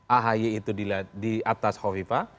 ahaye itu di atas ho viva